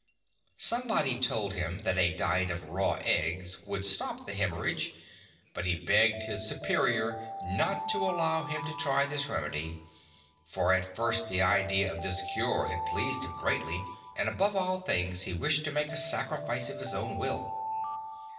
Somebody told him that a diet of raw eggs would stop the hemorrhage, but he begged his Superior not to allow him to try this remedy ; for at first the idea of this cure had pleased him greatly, and above all things he wished to make a sacrifice of his own will.